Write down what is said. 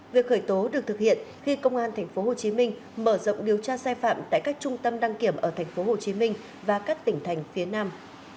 việc khởi tố được thực hiện khi công an thành phố hồ chí minh mở rộng điều tra xe phạm tại các trung tâm đăng kiểm ở thành phố hồ chí minh và các tỉnh thành phía nam